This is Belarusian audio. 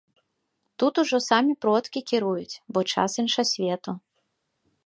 Тут ужо самі продкі кіруюць, бо час іншасвету.